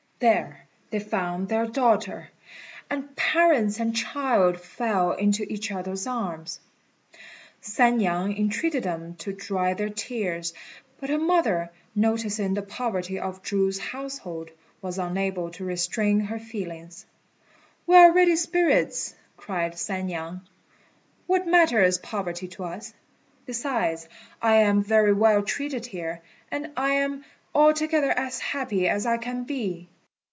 There they found their daughter, and parents and child fell into each other's arms. San niang entreated them to dry their tears; but her mother, noticing the poverty of Chu's household, was unable to restrain her feelings. "We are already spirits," cried San niang; "what matters poverty to us? Besides, I am very well treated here, and am altogether as happy as I can be."